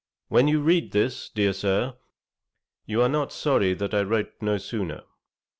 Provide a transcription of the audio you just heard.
When you read this, dear Sir, you are not sorry that I wrote no sooner.